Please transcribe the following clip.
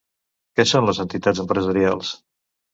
Què són les entitats empresarials?